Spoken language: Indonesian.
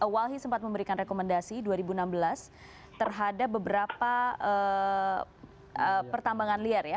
walhi sempat memberikan rekomendasi dua ribu enam belas terhadap beberapa pertambangan liar ya